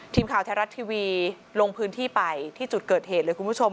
ทีมข่าวไทยรัฐทีวีลงพื้นที่ไปที่จุดเกิดเหตุเลยคุณผู้ชม